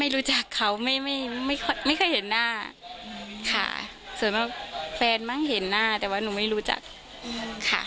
รู้จักเขาไม่ไม่ไม่เคยเห็นหน้าค่ะส่วนมากแฟนมั้งเห็นหน้าแต่ว่าหนูไม่รู้จักค่ะ